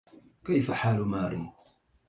كيف حال ماري؟